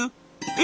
「え！